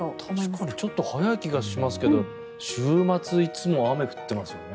確かにちょっと早い気がしますけど週末いつも雨降ってますよね。